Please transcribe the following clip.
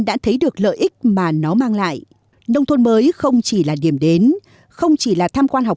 đã thấy được lợi ích mà nó mang lại nông thôn mới không chỉ là điểm đến không chỉ là tham quan học